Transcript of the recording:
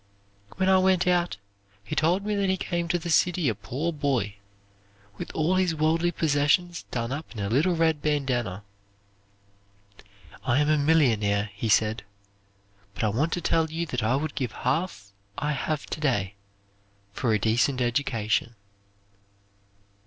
When I went out, he told me that he came to the city a poor boy, with all his worldly possessions done up in a little red bandana. "I am a millionaire," he said, "but I want to tell you that I would give half I have to day for a decent education."